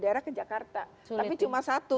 daerah ke jakarta tapi cuma satu